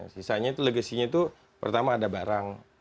sisanya itu legasinya itu pertama ada barang